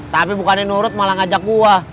tapi bukannya nurut malah ngajak gue